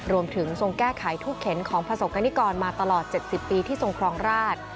รวมถึงทรงแก้ไขทุกเข็นของประสบกรณิกรมาตลอด๗๐ปีที่ทรงครองราช